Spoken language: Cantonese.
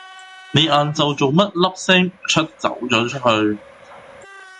你晏晝做乜粒聲唔出走咗去？